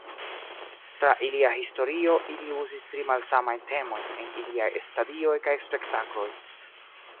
Tra ilia historio, ili uzis tri malsamajn temojn en iliaj stadioj kaj spektakloj.